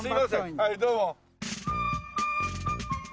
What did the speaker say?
はいどうも。